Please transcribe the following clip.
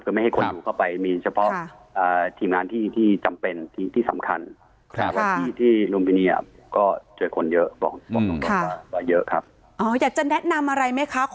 ไม่ให้คนดูเข้าไปมีเฉพาะทีมงานที่จำเป็นที่สำคัญ